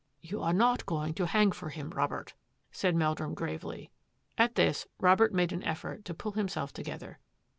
" You are not going to hang for him, Robert," said Meldrum gravely. At this, Robert made an effort to pull himself together.